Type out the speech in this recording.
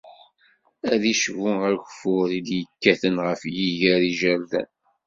Ad icbu ageffur i d-ikkaten ɣef yiger ijerden.